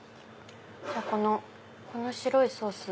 この白いソース